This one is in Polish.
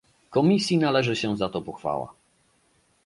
Komisji należy się za to pochwała